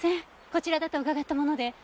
こちらだと伺ったもので。